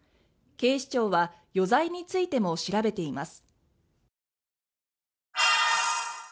警視庁は余罪についても調べています。